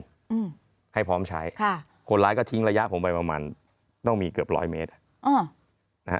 อืมให้พร้อมใช้ค่ะคนร้ายก็ทิ้งระยะผมไปประมาณต้องมีเกือบร้อยเมตรอ๋อนะฮะ